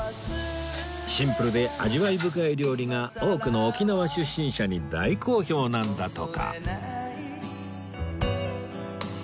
シンプルで味わい深い料理が多くの沖縄出身者に大好評なんだとか